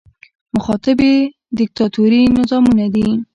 مخاطب یې دیکتاتوري نظامونه دي.